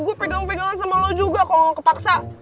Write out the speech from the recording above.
gua pegang pegangan sama lu juga kalau kepaksa